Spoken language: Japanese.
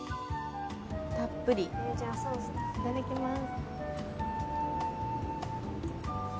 たっぷりいただきます